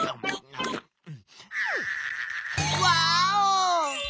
ワーオ！